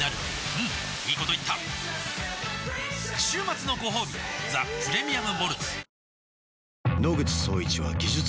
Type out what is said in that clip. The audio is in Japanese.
うんいいこと言った週末のごほうび「ザ・プレミアム・モルツ」